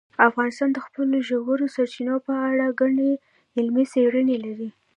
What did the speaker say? افغانستان د خپلو ژورو سرچینو په اړه ګڼې علمي څېړنې لري.